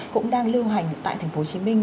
cũng đang lưu hành tại thành phố hồ chí minh